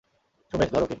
সুমেশ, ধর ওকে।